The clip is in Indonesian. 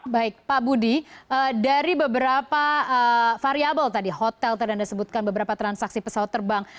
baik pak budi dari beberapa variable tadi hotel terdanda sebutkan beberapa transaksi pesawat terbang